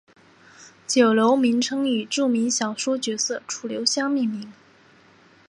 酒楼名称以著名小说角色楚留香命名。